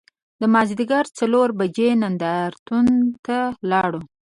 د مازدیګر څلور بجې نندار تون ته لاړو.